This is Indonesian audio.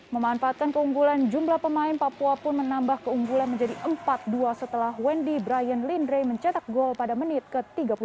memanfaatkan keunggulan jumlah pemain papua pun menambah keunggulan menjadi empat dua setelah wendy brian lindre mencetak gol pada menit ke tiga puluh satu